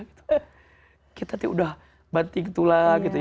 kita tadi udah banting tulang